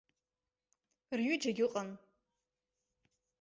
Рҩыџьагь ыҟан.